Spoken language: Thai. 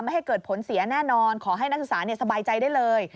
ให้เกิดผลเสียแน่นอนขอให้นักศึกษาสบายใจได้เลย